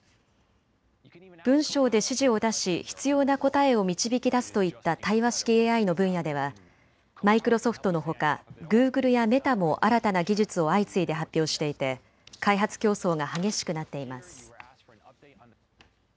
文章で指示を出し必要な答えを導き出すといった対話式ＡＩの分野ではマイクロソフトのほかグーグルやメタも新たな技術を相次いで発表していて開発競争が激しくなっています。